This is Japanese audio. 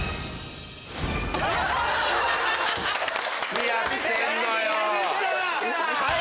何やってんのよ！